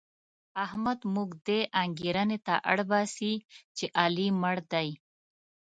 احمد موږ دې انګېرنې ته اړباسي چې علي مړ دی.